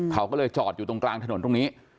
เขาก็เลยจอดอยู่ตรงกลางถนนตรงนี้